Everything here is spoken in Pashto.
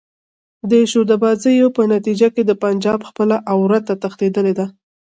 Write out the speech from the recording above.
دې شعبده بازیو په نتیجه کې د پنجاب خپله عورته تښتېدلې ده.